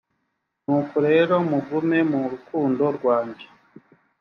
nuko rero mugume mu rukundo rwanjye